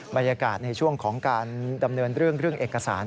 บรรยากาศในช่วงของการดำเนินเรื่องเรื่องเอกสาร